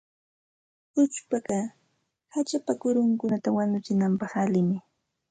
Uchpaqa hachapa kurunkunata wanuchinapaq allinmi.